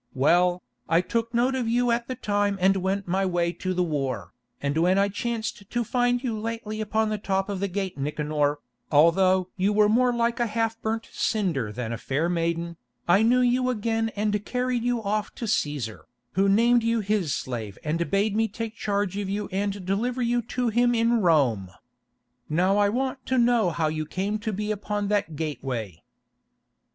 Well, I took note of you at the time and went my way to the war, and when I chanced to find you lately upon the top of the Gate Nicanor, although you were more like a half burnt cinder than a fair maiden, I knew you again and carried you off to Cæsar, who named you his slave and bade me take charge of you and deliver you to him in Rome. Now I want to know how you came to be upon that gateway."